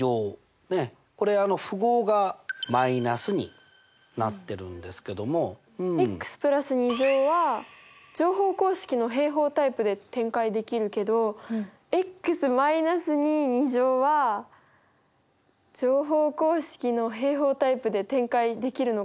これ符号が−になってるんですけども。は乗法公式の平方タイプで展開できるけどは乗法公式の平方タイプで展開できるのかな？